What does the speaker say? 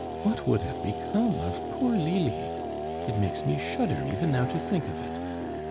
_... What would have become of poor Lili? ... It makes me shudder even now to think of it.